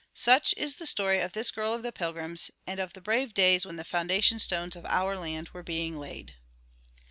Such is the story of this girl of the Pilgrims and of the brave days when the foundation stones of our land were being laid.